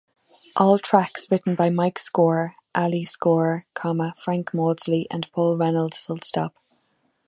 All tracks written by Mike Score, Ali Score, Frank Maudsley and Paul Reynolds.